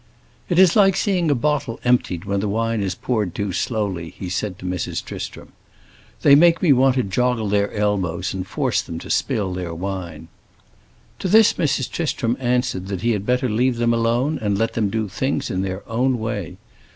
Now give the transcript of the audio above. "It is like seeing a bottle emptied when the wine is poured too slowly," he said to Mrs. Tristram. "They make me want to joggle their elbows and force them to spill their wine." To this Mrs. Tristram answered that he had better leave them alone and let them do things in their own way.